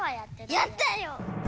やったよ。